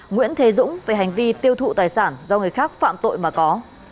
nguyễn thế dũng về hành vi tiêu thụ tài sản do người khác phạm tội mà có